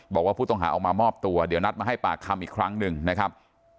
บอกว่าผู้ต้องหาออกมามอบตัวเดี๋ยวนัดมาให้ปากคำอีกครั้งหนึ่งนะครับ